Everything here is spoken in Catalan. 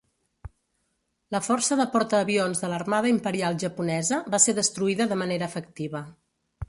La força de portaavions de l'Armada Imperial Japonesa va ser destruïda de manera efectiva.